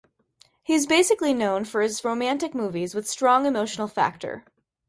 He is basically known for his romantic movies with strong emotional factor.